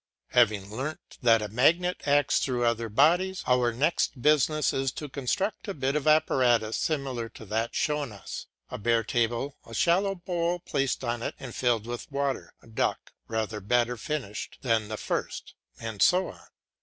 Having learnt that a magnet acts through other bodies, our next business is to construct a bit of apparatus similar to that shown us. A bare table, a shallow bowl placed on it and filled with water, a duck rather better finished than the first, and so on.